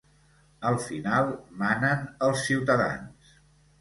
Al final, manen els ciutadans.